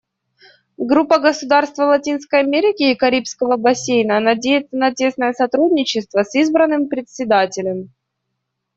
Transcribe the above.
Группа государств Латинской Америки и Карибского бассейна надеется на тесное сотрудничество с избранным Председателем.